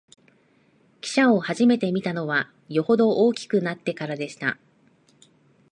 汽車をはじめて見たのは、よほど大きくなってからでした